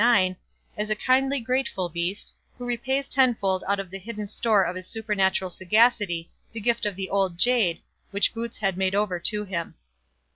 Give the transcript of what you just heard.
ix, as a kindly grateful beast, who repays tenfold out of the hidden store of his supernatural sagacity the gift of the old jade, which Boots had made over to him.